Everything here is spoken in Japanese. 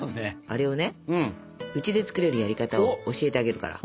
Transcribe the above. あれをねうちで作れるやり方を教えてあげるから。